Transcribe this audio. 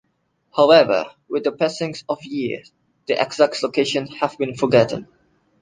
However, with the passing of years, their exact location has been forgotten.